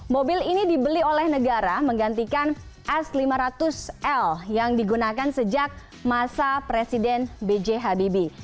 mobil ini dibeli oleh negara menggantikan s lima ratus l yang digunakan sejak masa presiden b j habibie